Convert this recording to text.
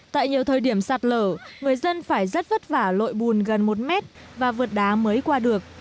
tại nhiều thời điểm sạt lở người dân phải rất vất vả lội bùn gần một mét và vượt đá mới qua được